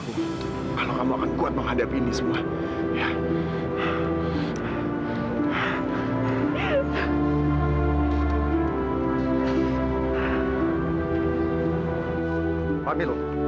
pak milo sekarang kita harus pergi pak milo